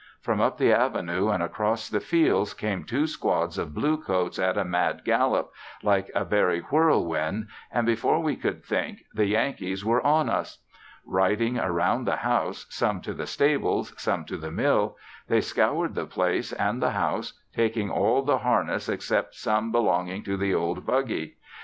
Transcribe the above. From up the avenue and across the fields came two squads of blue coats at a mad gallop, like a very whirl wind, and before we could think, the Yankees were on us! Riding around the house, some to the stables, some to the mill, they scoured the place and the house, taking all the harness except some belonging to the old buggy.